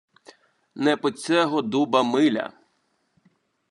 Не по цего дуба миля.